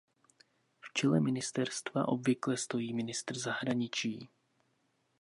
V čele ministerstva obvykle stojí ministr zahraničí.